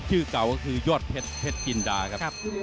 ชื่อเก่าก็คือยอดเพชรจินดาครับ